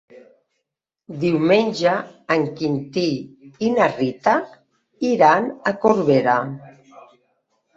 Diumenge en Quintí i na Rita iran a Corbera.